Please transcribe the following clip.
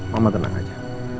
mama tenang aja